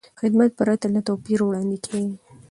خدمت پرته له توپیر وړاندې کېږي.